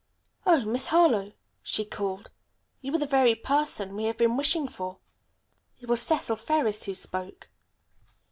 "Oh, Miss Harlowe," she called, "You are the very person we have been wishing for." It was Cecil Ferris who spoke.